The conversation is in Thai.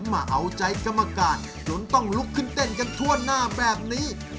มาเอาใจกรรมการจนต้องลุกขึ้นเต้นกันทั่วหน้าแบบนี้